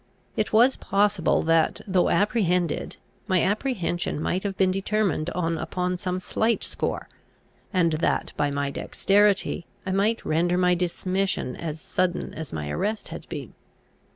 It was possible that, though apprehended, my apprehension might have been determined on upon some slight score, and that, by my dexterity, I might render my dismission as sudden as my arrest had been.